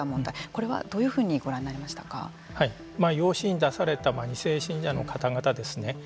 これはどういうふうに養子に出された２世信者の方々ですね